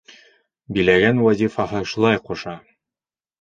Биләгән вазифаһы шулай ҡуша.